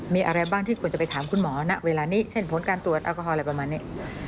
มีอะไรบ้างที่ควรจะไปถามคุณหมอณเวลานี้เช่นผลการตรวจแอลกอฮอลอะไรประมาณนี้